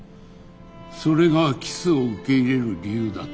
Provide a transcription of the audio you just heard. それがキスを受け入れる理由だと？